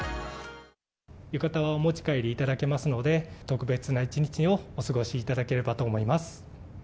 浴衣はお持ち帰り頂けますので、特別な一日をお過ごしいただければと思います。